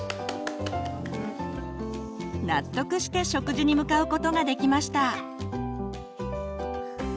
納得して食事に向かうことができました。